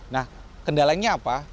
nah kendalanya apa